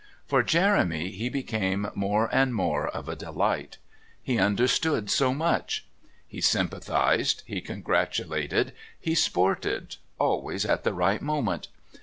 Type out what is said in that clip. For Jeremy he became more and more of a delight. He understood so much. He sympathised, he congratulated, he sported, always at the right moment.